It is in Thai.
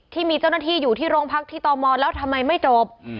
ที่มีเจ้าหน้าที่อยู่ที่โรงพักที่ตมแล้วทำไมไม่จบ